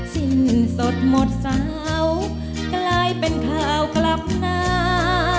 สิ้นสดหมดสาวกลายเป็นข่าวกลับหน้า